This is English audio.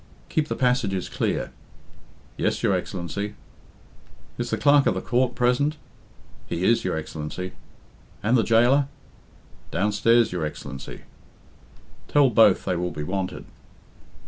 "Keep the passages clear." "Yes, your Excellency." "Is the Clerk of the Court present?" "He is, your Excellency." "And the jailor?" "Downstairs, your Excellency." "Tell both they will be wanted."